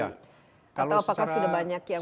atau apakah sudah banyak yang mungkin ditambahkan